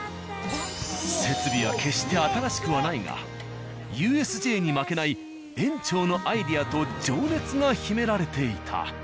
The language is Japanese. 設備は決して新しくはないがＵＳＪに負けない園長のアイデアと情熱が秘められていた。